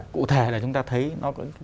cụ thể là chúng ta thấy nó có